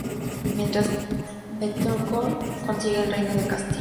Mientras, Bethencourt consigue del Reino de Castilla el señorío de las islas conquistadas.